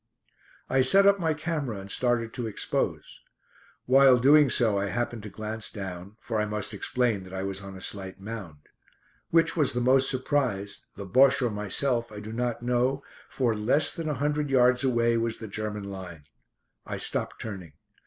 I set up my camera and started to expose. While doing so I happened to glance down, for I must explain that I was on a slight mound. Which was the most surprised the Bosche or myself I do not know, for less than a hundred yards away was the German line. I stopped turning.